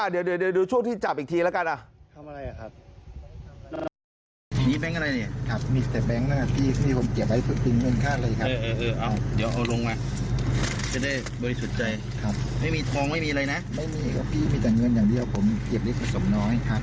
เดี๋ยวดูช่วงที่จับอีกทีแล้วกัน